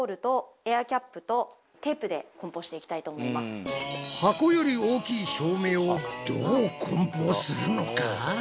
今回は箱より大きい照明をどう梱包するのか？